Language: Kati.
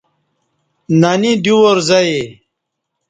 ننی دیو وار زہ یے